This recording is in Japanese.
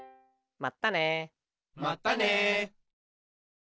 まったね。